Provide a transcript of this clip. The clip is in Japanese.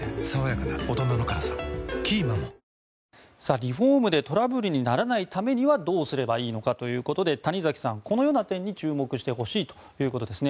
リフォームでトラブルにならないためにはどうすればいいのかということで谷崎さんこのような点に注目してほしいということですね。